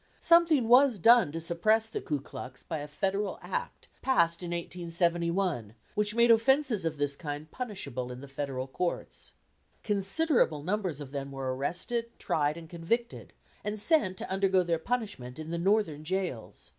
Something was done to suppress the Ku Klux by a Federal Act passed in 1871, which made offences of this kind punishable in the Federal Courts. Considerable numbers of them were arrested, tried, and convicted, and sent to undergo their punishment in the Northern jails.